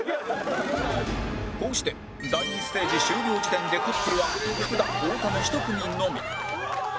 こうして第２ステージ終了時点でカップルは福田太田の１組のみ